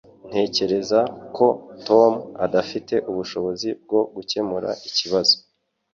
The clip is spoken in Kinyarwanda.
Ntekereza ko Tom adafite ubushobozi bwo gukemura ikibazo.